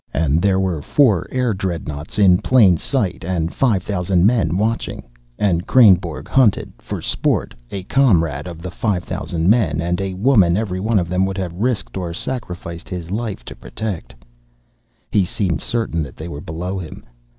And there were four air dreadnaughts in plain sight and five thousand men watching, and Kreynborg hunted, for sport, a comrade of the five thousand men and a woman every one of them would have risked or sacrificed his life to protect. He seemed certain that they were below him.